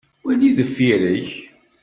Wali deffir-ik.